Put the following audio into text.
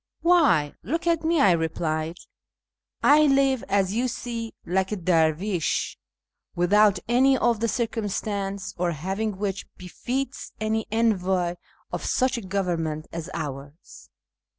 " Why, look at me," I replied ;" I live, as you see, like a dervish, without any of the circumstance or having which befits an envoy of such a government as ours."